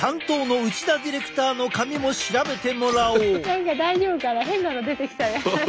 何か大丈夫かな変なの出てきたら。